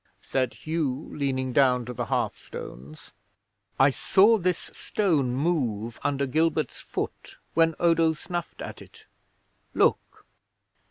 'Said Hugh, leaning down to the hearthstones, "I saw this stone move under Gilbert's foot when Odo snuffed at it. Look!"